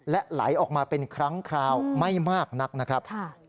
และไหลออกมาเป็นครั้งคราวไม่มากนักนะครับ